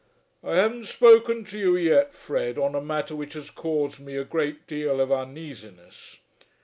"I haven't spoken to you yet, Fred, on a matter which has caused me a great deal of uneasiness.